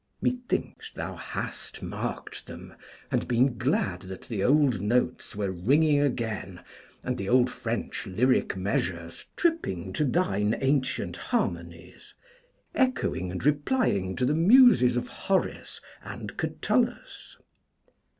Methinks thou hast marked them, and been glad that the old notes were ringing again and the old French lyric measures tripping to thine ancient harmonies, echoing and replying to the Muses of Horace and Catullus.